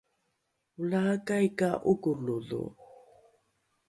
olaakai ka ’okolodho